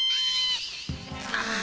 あっ。